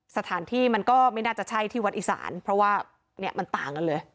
สถานที่มันก็ไม่น่าจะใช่ที่วัดอีสานเพราะว่าเนี่ยมันต่างกันเลย